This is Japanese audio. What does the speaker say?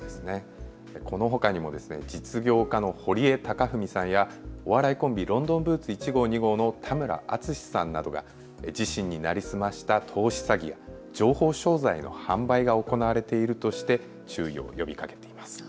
このほかにも実業家の堀江貴文さんやお笑いコンビ、ロンドンブーツ１号２号の田村淳さんなどが自身に成り済ました投資詐欺や情報商材の販売が行われているとして注意を呼びかけています。